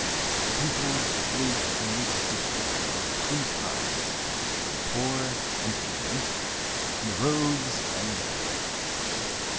"The people that live in this district are of two kinds—the poor and ignorant, and the rogues and vagabonds.